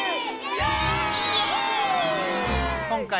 イエーイ！